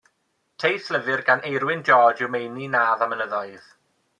Teithlyfr gan Eirwyn George yw Meini Nadd a Mynyddoedd.